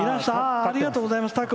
ありがとうございます。